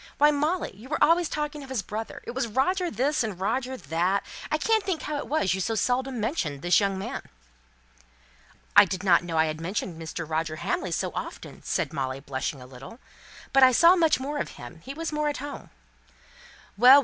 Why, Molly, you were always talking of his brother it was Roger this, and Roger that I can't think how it was you so seldom mentioned this young man." "I didn't know I had mentioned Mr. Roger Hamley so often," said Molly, blushing a little. "But I saw much more of him he was more at home." "Well, well!